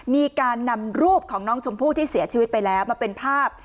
มีการนำรูปของน้องชมพู่ที่เสียชีวิตไปแล้วมาเป็นภาพ